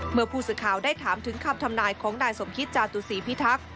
เมื่อผู้สื่อข่าวได้ถามถึงคำทำนายของนายสมคิตจาตุศีพิทักษ์